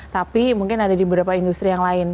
tapi mungkin ada di beberapa industri yang lain